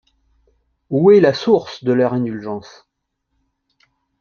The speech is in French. Où est la source de leur indulgence?